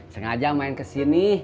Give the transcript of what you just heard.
sengaja main ke sini